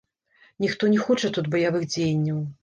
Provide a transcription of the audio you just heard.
Ніхто не хоча тут баявых дзеянняў.